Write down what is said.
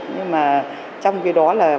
nhưng mà trong cái đó là loãng xương